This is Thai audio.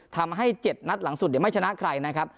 ทำให้๗นัดหลังสุดไม่ชนะใครนะครับ